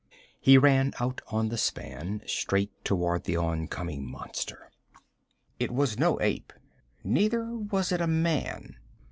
He ran out on the span, straight toward the oncoming monster. It was no ape, neither was it a man.